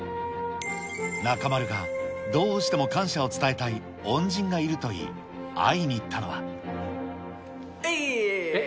中丸がどうしても感謝を伝えたい恩人がいるといい、会いに行ったうぇーい！